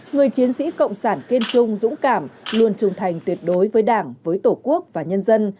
người chiến sĩ cộng sản kiên trung dũng cảm luôn trung thành tuyệt đối với đảng với tổ quốc và nhân dân